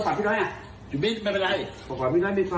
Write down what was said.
ขอให้พี่น้อยโทรศัพท์พี่น้อย